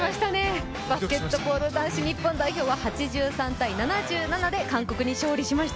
バスケットボール男子日本代表は８１−７７で勝利しました。